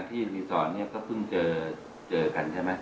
ที่มาที่นี่ก็เพิ่งเจอรีสอร์นี่เจอกันใช่มั้ย